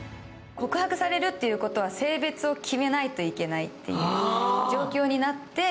告白されるということは性別を決めないといけないという状況になって。